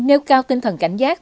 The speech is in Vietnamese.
nêu cao tinh thần cảnh giác